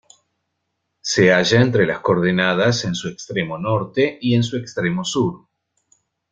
Se halla entre las coordenadas en su extremo norte y en su extremo sur.